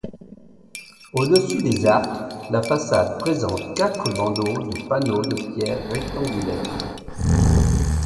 Au-dessus des arcs, la façade présente quatre bandeaux de panneaux de pierre rectangulaires.